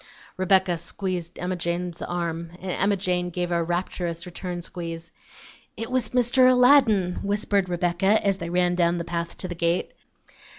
Rebecca squeezed Emma Jane's arm, and Emma Jane gave a rapturous return squeeze. "It was Mr. Aladdin," whispered Rebecca, as they ran down the path to the gate.